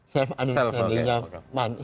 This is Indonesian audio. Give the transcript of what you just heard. self understandingnya pantai